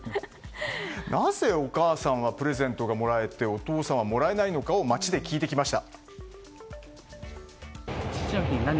なぜお母さんはプレゼントがもらえてお父さんはもらえないのかを街で聞いてきました。